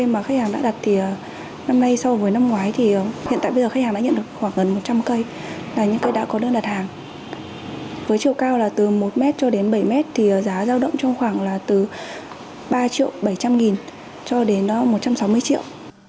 với trâu cao là từ một m cho đến bảy m thì giá giao động trong khoảng là từ ba triệu bảy trăm linh nghìn cho đến một trăm sáu mươi triệu